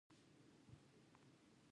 د چغندر شیره د څه لپاره وکاروم؟